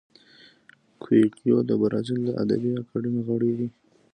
کویلیو د برازیل د ادبي اکاډمۍ غړی دی.